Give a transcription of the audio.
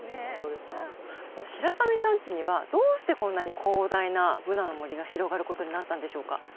白神山地にはどうしてこんなに広大なブナの森が広がることになったんでしょうか？